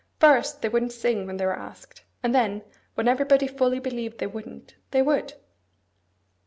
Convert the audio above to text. First, they wouldn't sing when they were asked; and then, when everybody fully believed they wouldn't, they would.